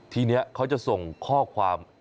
ทีนี้เขาจะส่งข้อความ